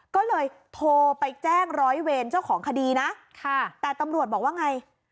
ก็เลยโทรไปแจ้งร้อยเวรเจ้าของคดีนะค่ะแต่ตำรวจบอกว่าไง